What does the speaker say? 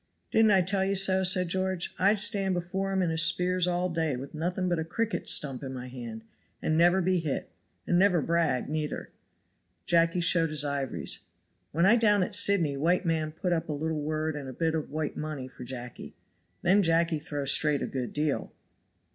"Didn't I tell you so?" said George. "I'd stand before him and his spears all day with nothing but a cricket stump in my hand, and never be hit, and never brag, neither." Jacky showed his ivories. "When I down at Sydney white man put up a little wood and a bit of white money for Jacky. Then Jacky throw straight a good deal."